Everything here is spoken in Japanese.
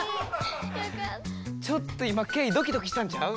ちょっと今ケイドキドキしたんちゃう？